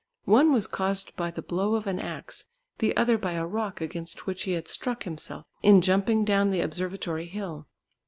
One was caused by the blow of an axe, the other by a rock against which he had struck himself in jumping down the Observatory hill.